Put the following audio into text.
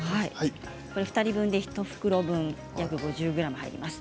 ２人分で１袋分約５０ｇ入ります。